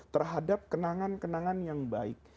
terhadap kenangan kenangan yang baik